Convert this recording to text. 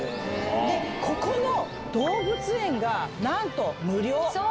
でここの動物園がなんと無料。